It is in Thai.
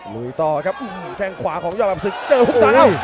ลุยต่อครับแค่งขวาของย่อปรับศึกเจอหุ้กซ้ายแล้ว